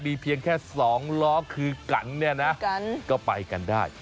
มีเพียงแค่๒ล้อคือกันเนี่ยนะก็ไปกันได้